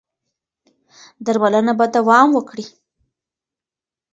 درملنه به دوام وکړي.